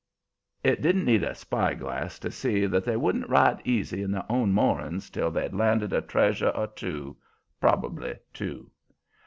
It didn't need a spyglass to see that they wouldn't ride easy at their own moorings till THEY'D landed a treasure or two probably two.